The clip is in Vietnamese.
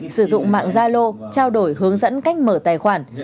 sử dụng mạng gia lô trao đổi hướng dẫn cách mở tài khoản